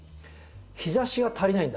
日ざしが足りないんだ。